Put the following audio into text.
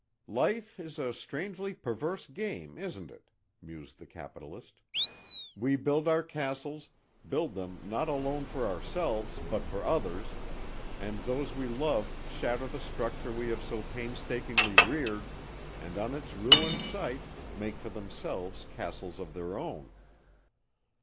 "Life is a strangely perverse game, isn't it?"' mused the capitalist. "We build our castles, build them not alone for ourselves but for others, and those we love shatter the structure we have so painstakingly reared and on its ruined site make for themselves castles of their own."